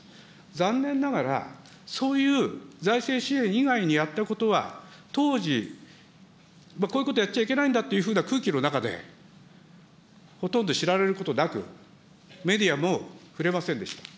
残念ながら、そういう財政支援以外にやったことは、当時、こういうことやっちゃいけないんだという空気の中で、ほとんど知られることなく、メディアも触れませんでした。